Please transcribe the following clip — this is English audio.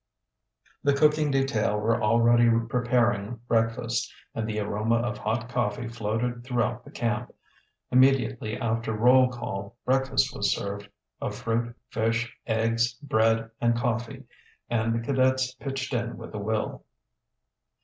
The cooking detail were already preparing breakfast and the aroma of hot coffee floated throughout the camp. Immediately after roll call breakfast was served, of fruit, fish, eggs, bread, and coffee, and the cadets pitched in with a will.